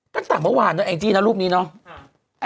ตั้งแต่เมื่อวานนะแองจี้นะรูปนี้เนาะ